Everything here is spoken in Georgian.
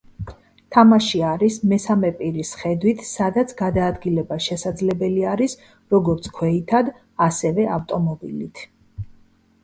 თამაში არის მესამე პირის ხედვით, სადაც გადაადგილება შესაძლებელია არის, როგორც ქვეითად, ასევე ავტომობილით.